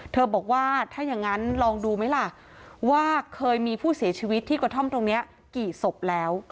บอกว่าถ้าอย่างนั้นลองดูไหมล่ะว่าเคยมีผู้เสียชีวิตที่กระท่อมตรงนี้กี่ศพแล้ว